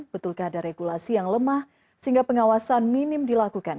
betulkah ada regulasi yang lemah sehingga pengawasan minim dilakukan